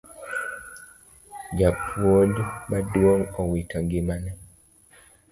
Japuonj maduong' owito ngimane